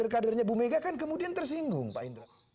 kadernya bu mega kan kemudian tersinggung pak indra